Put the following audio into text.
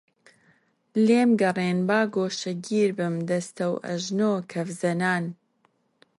لێم گەڕێن با گۆشەگیر بم دەستەوئەژنۆ کەفزەنان